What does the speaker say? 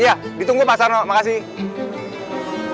iya ditunggu di pasar makasih